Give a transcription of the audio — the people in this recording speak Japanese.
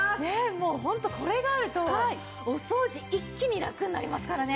もうホントこれがあるとお掃除一気にラクになりますからね。